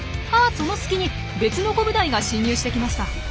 その隙に別のコブダイが侵入してきました。